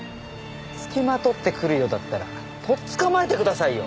つきまとってくるようだったら取っ捕まえてくださいよ。